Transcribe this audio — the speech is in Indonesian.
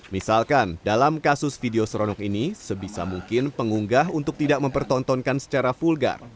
misalkan dalam kasus video seronok ini sebisa mungkin pengunggah untuk tidak mempertontonkan secara vulgar